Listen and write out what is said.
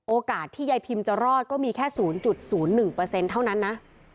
โอกาสที่ยายพิมจะรอดก็มีแค่๐๐๑เท่านั้นนะ